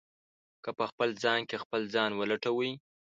که په خپل ځان کې خپل ځان ولټوئ.